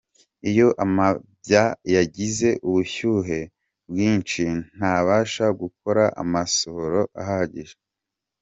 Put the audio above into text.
Iyo amabya yagize ubushyuhe bwinshi ntabasha gukora amasohoro ahagije.